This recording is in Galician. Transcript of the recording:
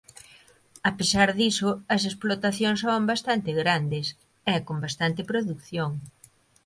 A pesar diso as explotacións son bastante grandes e con bastante produción.